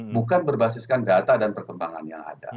bukan berbasiskan data dan perkembangan yang ada